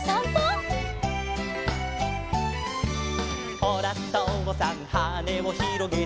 「ほらとうさんはねをひろげて」